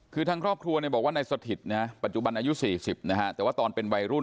คือทางครอบครัวบอกว่านายสถิตปัจจุบันอายุ๔๐นะฮะแต่ว่าตอนเป็นวัยรุ่น